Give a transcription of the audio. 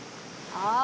ああ。